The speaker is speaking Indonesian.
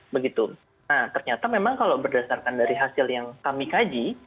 nah ternyata memang kalau berdasarkan dari hasil yang kami kaji